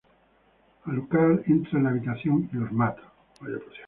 Alucard entra en la habitación y los mata.